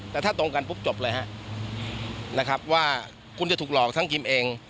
แต่ถ้าตรงกันปุ๊บจบเลยฮะนะครับว่าคุณจะถูกหลอกทั้งกิมเอง